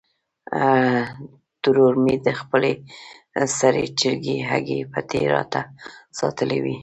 ترور مې د خپلې سرې چرګې هګۍ پټې راته ساتلې وې.